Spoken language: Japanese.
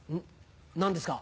何ですか？